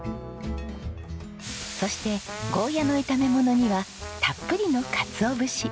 そしてゴーヤの炒めものにはたっぷりのかつお節。